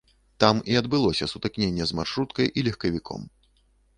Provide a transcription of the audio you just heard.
Там і адбылося сутыкненне з маршруткай і легкавіком.